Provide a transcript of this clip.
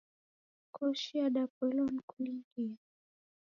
Koshi yadapoilwa ni kulindia.